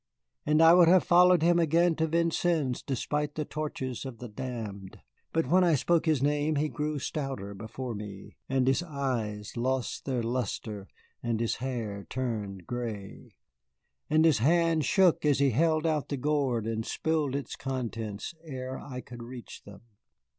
And I would have followed him again to Vincennes despite the tortures of the damned. But when I spoke his name he grew stouter before me, and his eyes lost their lustre and his hair turned gray; and his hand shook as he held out the gourd and spilled its contents ere I could reach them.